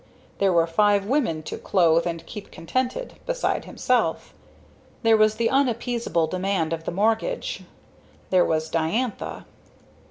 There were five women to clothe and keep contented, beside himself. There was the unappeasable demand of the mortgage and there was Diantha.